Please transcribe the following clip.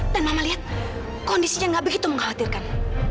dan mama lihat kondisinya tidak begitu mengkhawatirkan